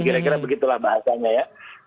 kira kira begitulah bahasanya ya